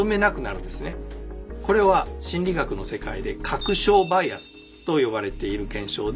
これは心理学の世界で「確証バイアス」と呼ばれている現象で。